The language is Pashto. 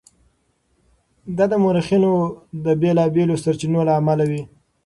دا د مورخینو د بېلابېلو سرچینو له امله وي.